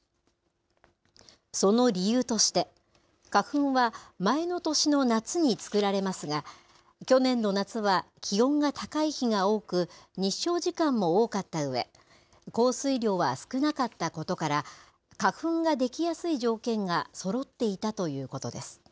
その理由として、花粉は前の年の夏に作られますが、去年の夏は気温が高い日が多く、日照時間も多かったうえ、降水量は少なかったことから、花粉が出来やすい条件がそろっていたということです。